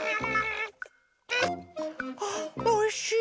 あおいしい。